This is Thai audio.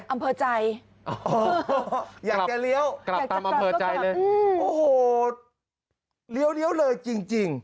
อำเภอใจอยากจะเลี้ยวกลับตามอำเภอใจเลยโอ้โหเลี้ยวเลยจริง